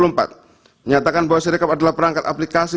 menyatakan bahwa sirecop adalah perangkat aplikasi